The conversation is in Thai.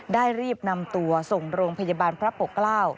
รีบนำตัวส่งโรงพยาบาลพระปกเกล้า